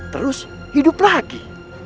terus hidup lagi